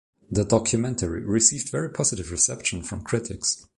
The documentary received very positive reception from critics.